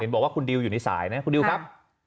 บอกว่าคุณดิวอยู่ในสายไหมคุณดิวครับ